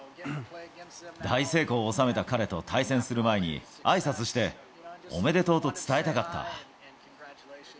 大成功を収めた彼と対戦する前にあいさつして、おめでとうと伝えたかった。